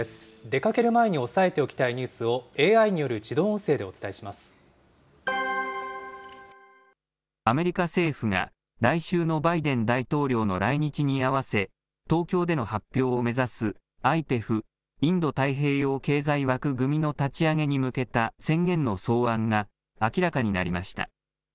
出かける前に押さえておきたいニュースを、ＡＩによる自動音声でアメリカ政府が、来週のバイデン大統領の来日に合わせ、東京での発表を目指す、ＩＰＥＦ・インド太平洋経済枠組みの立ち上げに向けた宣言の草案が明らかになりました。